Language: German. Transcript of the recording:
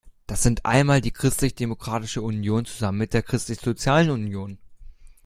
Das sind einmal die Christlich Demokratische Union zusammen mit der Christlich sozialen Union.